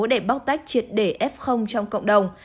để bóc tách triệt đề f trong cộng đồng